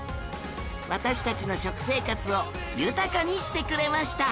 私たちの食生活を豊かにしてくれました